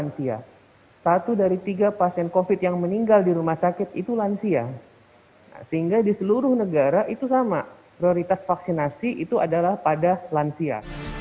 prioritas vaksinasi itu adalah pada lansia